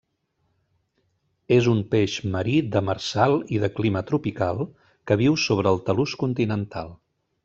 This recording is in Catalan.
És un peix marí, demersal i de clima tropical que viu sobre el talús continental.